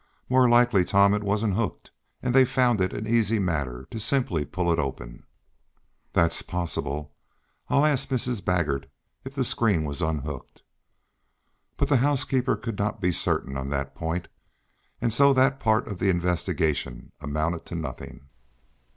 "More likely, Tom, it wasn't hooked, and they found it an easy matter to simply pull it open." "That's possible. I'll ask Mrs. Baggert if the screen was unhooked." But the housekeeper could not be certain on that point, and so that part of the investigation amounted to nothing.